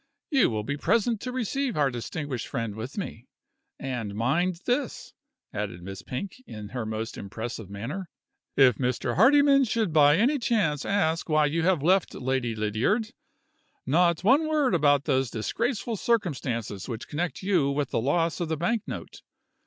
You will be present to receive our distinguished friend with me. And mind this!" added Miss Pink, in her most impressive manner, "If Mr. Hardyman should by any chance ask why you have left Lady Lydiard, not one word about those disgraceful circumstances which connect you with the loss of the banknote!